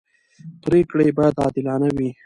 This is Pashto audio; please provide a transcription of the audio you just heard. پرېکړې باید عادلانه وي